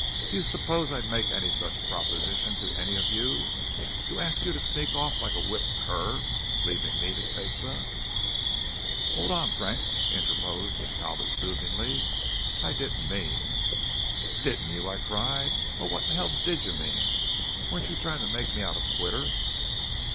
"Do you suppose I'd make any such proposition to any of you to ask you to sneak off like a whipped cur leaving me to take the " "Hold on, Frank," interposed Talbot soothingly. "I didn't mean " "Didn't you?" I cried. "Well, what in hell did you mean? Weren't you trying to make me out a quitter?"